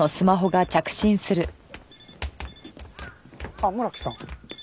あっ村木さん。